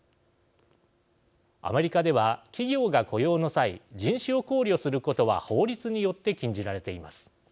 アメリカでは、企業が雇用の際人種を考慮することは法律によって禁じられています。